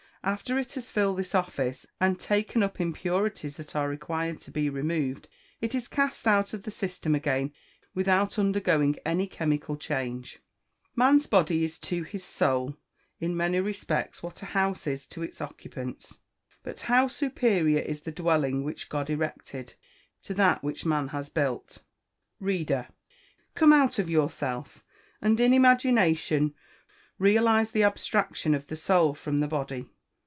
After it has filled this office, and taken up impurities that are required to be removed, it is cast out of the system again, without undergoing any chemical change. Man's body is to his Soul, in many respects, what a house is to its occupant. But how superior is the dwelling which God erected, to that which man has built. Reader, come out of yourself, and in imagination realise the abstraction of the Soul from the body.